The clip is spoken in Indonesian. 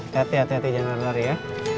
hati hati jangan lari ya